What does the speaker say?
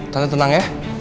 tante tenang ya